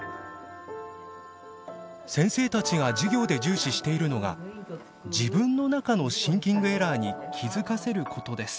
先生たちが授業で重視しているのが自分の中のシンキングエラーに気付かせることです。